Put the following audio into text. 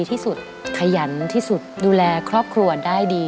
ที่สุดของรอยยิ้ม